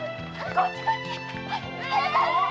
こっちこっち！